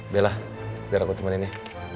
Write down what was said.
bella biar aku temenin ya